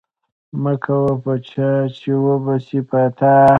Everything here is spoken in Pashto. مکوه په چا، چي و به سي په تا